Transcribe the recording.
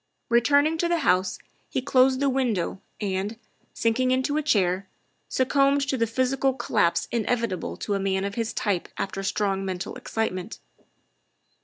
Returning to the house, he closed the window and, sinking into a chair, succumbed to the physical collapse inevitable to men of his type after strong mental excitement.